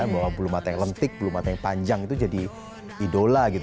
bahwa belum mata yang lentik belum mata yang panjang itu jadi idola gitu